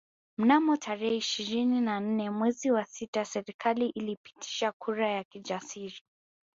Mnamo tarehe ishirini na nne mwezi wa sita serikali ilipitisha kura ya kijasiri